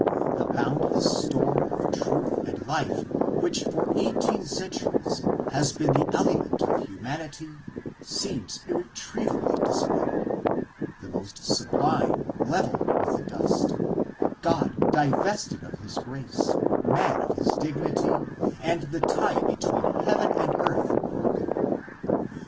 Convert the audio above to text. The boundless store of truth and life which for eighteen centuries has been the aliment of humanity, seems irretrievably dissipated ; the most sublime levelled with the dust, God divested of his grace, man of his dignity, and the tie between heaven and earth broken.